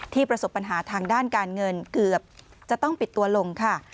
ประสบปัญหาทางด้านการเงินเกือบจะต้องปิดตัวลงค่ะ